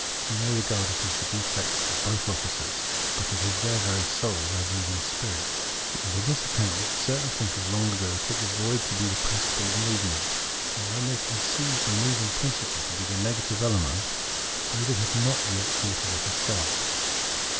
We may regard it as the defect of both opposites, but it is their very soul, their moving spirit. It was on this accoimt that certain thinkers long ago took the void to be the principle of movement, when they conceived the moving prin ciple to be the negative element, though they had not as yet thought of it as self.